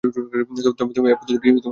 তবে এ পদ্ধতিটি অত্যন্ত ব্যয়বহুল।